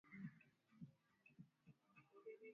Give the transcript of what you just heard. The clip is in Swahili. ya Kituruki inawanyanganya silaha Kulingana na mila